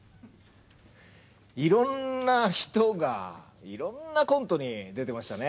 いろんな人がいろんなコントに出てましたね。